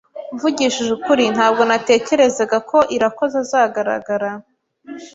Mvugishije ukuri ntabwo natekerezaga ko Irakoze azagaragara.